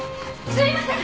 すいません！